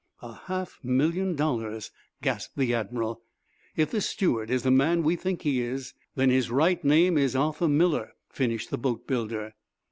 "A half million dollars!" gasped the admiral. "If this steward is the man we think he is, then his right name is Arthur Miller," finished the boatbuilder.